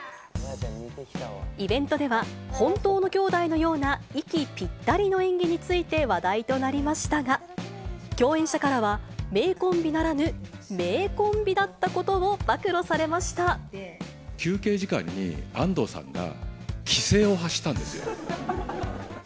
イベントでは、本当のきょうだいのような息ぴったりの演技について話題となりましたが、共演者からは、名コンビならぬ、迷コンビだったことを暴休憩時間に安藤さんが、奇声を発したんですよ。